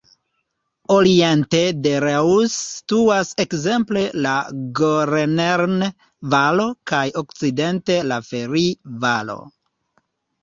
Oriente de Reuss situas ekzemple la "Gorneren-Valo" kaj okcidente la "Felli-Valo".